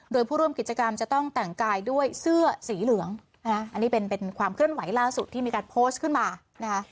โดยผู้ร่วมกิจกรรมจะต้องแต่งกายด้วยเสื้อสีเหลืองอันนี้เป็นความเคลื่อนไหวล่าสุดที่มีการโพสต์ขึ้นมานะคะ